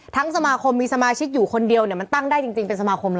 สมาคมมีสมาชิกอยู่คนเดียวมันตั้งได้จริงเป็นสมาคมเลย